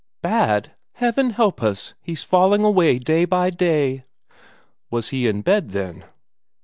"Bad? Heaven bless us, he's falling away day by day." "Was he in bed, then?"